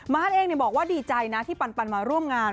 เองบอกว่าดีใจนะที่ปันมาร่วมงาน